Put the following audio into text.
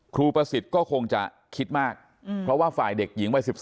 ประสิทธิ์ก็คงจะคิดมากเพราะว่าฝ่ายเด็กหญิงวัย๑๔